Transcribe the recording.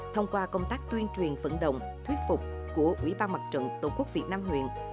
thông qua công tác tuyên truyền vận động thuyết phục của ủy ban mặt trận tổ quốc việt nam huyện